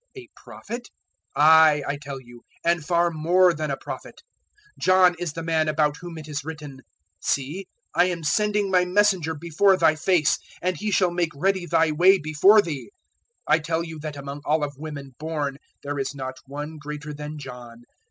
A Prophet? Aye, I tell you, and far more than a Prophet. 007:027 John is the man about whom it is written, `See, I am sending My messenger before thy face, and he shall make ready thy way before thee.' 007:028 "I tell you that among all of women born there is not one greater than John.